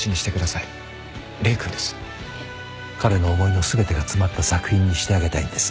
彼の思いの全てが詰まった作品にしてあげたいんです。